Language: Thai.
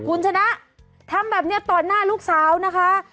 คุณชนะทำแบบนี้ต่อหน้าลูกสาวนะคะ